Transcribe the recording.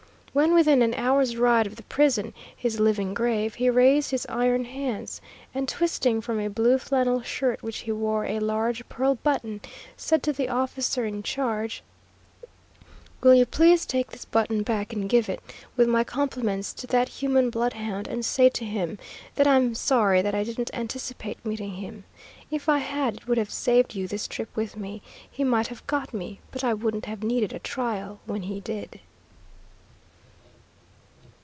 When within an hour's ride of the prison his living grave he raised his ironed hands, and twisting from a blue flannel shirt which he wore a large pearl button, said to the officer in charge: "Will you please take this button back and give it, with my compliments, to that human bloodhound, and say to him that I'm sorry that I didn't anticipate meeting him? If I had, it would have saved you this trip with me. He might have got me, but I wouldn't have needed a trial when he did."